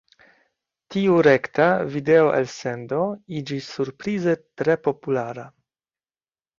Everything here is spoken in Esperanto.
Tiu rekta video-elsendo iĝis surprize tre populara.